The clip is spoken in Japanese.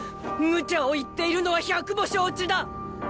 無茶を言っているのは百も承知だ！